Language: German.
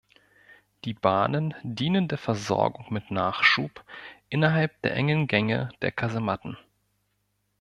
Die Bahnen dienen der Versorgung mit Nachschub innerhalb der engen Gänge der Kasematten.